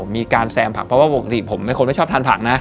มีการแซมผักเพราะว่าปกติผมเป็นคนไม่ชอบทานผักนะ